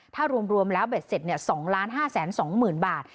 ถ้ารวมแล้วเบ็ดเสร็จ๒๕๒๐๐๐บาท